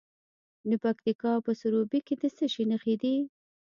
د پکتیکا په سروبي کې د څه شي نښې دي؟